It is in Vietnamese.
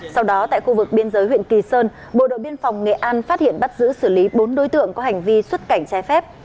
sau đó tại khu vực biên giới huyện kỳ sơn bộ đội biên phòng nghệ an phát hiện bắt giữ xử lý bốn đối tượng có hành vi xuất cảnh trái phép